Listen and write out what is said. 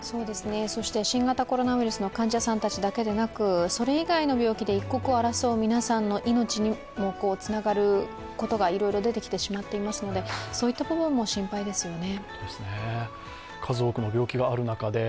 そして新型コロナウイルスの患者さんたちだけでなくそれ以外の病気で一刻を争う皆さんの命にもつながることがいろいろ出てきてしまっていますので、そういった部分も心配ですよね。